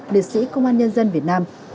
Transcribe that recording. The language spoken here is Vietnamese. liệt sĩ công an nhân dân việt nam